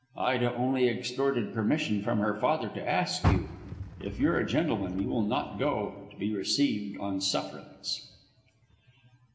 "Ida only extorted permission from her father to ask you. If you're a gentleman you will not go to be received on sufferance."